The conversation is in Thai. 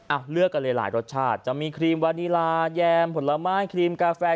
เลือกกันเลยหลายรสชาติจะมีครีมวานีลาแยมผลไม้ครีมกาแฟ